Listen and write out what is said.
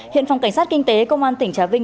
hiện phòng cảnh sát kinh tế công an tỉnh trà vinh